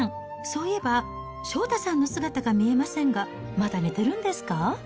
そういえば、祥太さんの姿が見えませんが、まだ寝てるんですか？